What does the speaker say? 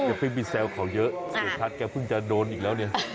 เพิ่งไปแซวเขาเยอะเสียชัดแกเพิ่งจะโดนอีกแล้วเนี่ย